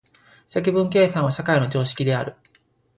積分計算は社会の常識である。